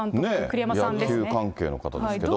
野球関係の方ですけど。